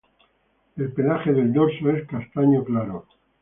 El pelaje del dorso es castaño claro.